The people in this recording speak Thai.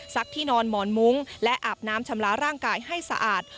ที่นอนหมอนมุ้งและอาบน้ำชำระร่างกายให้สะอาด